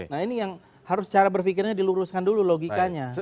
nah ini yang harus cara berpikirnya diluruskan dulu logikanya